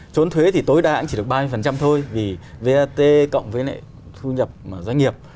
trốn thuế thì tối đa cũng chỉ được ba mươi thôi vì vat cộng với lại thu nhập doanh nghiệp